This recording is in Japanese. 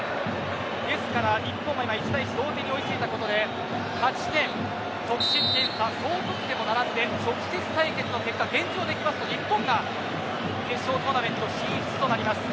ですから日本は今、１対１の同点に追いついたことで勝ち点、得失点差総得点と並んで、直接対決の結果現状で行きますと日本が決勝トーナメント進出となります。